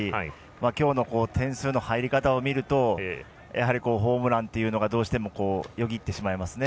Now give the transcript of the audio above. きょうの点数の入り方を見るとホームランというのがどうしてもよぎってしまいますね。